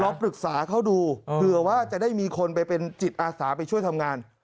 ปรึกษาเขาดูเผื่อว่าจะได้มีคนไปเป็นจิตอาสาไปช่วยทำงาน